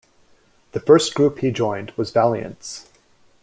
The first group he joined was Valiants.